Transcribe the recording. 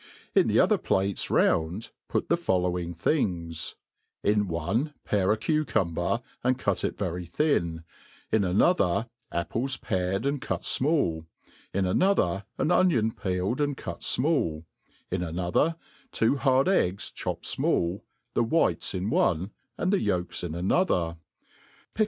In the other plates round, put the followin;^ things : in one, pare a cucumber, 'and cut it very thin 5 in another, apples pared and cut fmall; in another, an onion peeled and cut fmali j in another, two hard eggs chop ped fmali, the whites in one, and the yolks in another j pick led 1 MADE PLAIN AND EASY.